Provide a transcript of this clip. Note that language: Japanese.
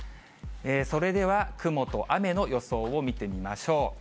それでは雲と雨の予想を見てみましょう。